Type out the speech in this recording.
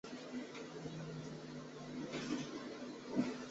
虽然最终结果会是正确的